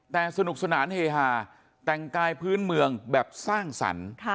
แต่สนุกสนานเฮฮาแต่งกายพื้นเมืองแบบสร้างสรรค์